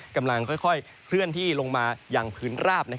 กำลังค่อยเคลื่อนที่ลงมาอย่างพื้นราบ